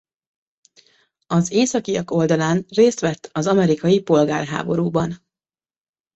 Az északiak oldalán részt vett az amerikai polgárháborúban.